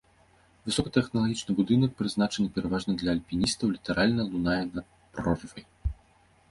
Высокатэхналагічны будынак, прызначаны пераважна для альпіністаў, літаральна лунае над прорвай.